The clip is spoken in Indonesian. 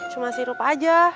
cuma sirup aja